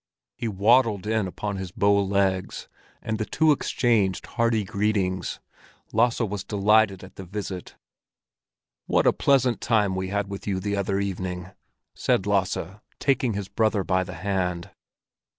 He waddled in upon his bow legs, and the two exchanged hearty greetings. Lasse was delighted at the visit. "What a pleasant time we had with you the other evening!" said Lasse, taking his brother by the hand.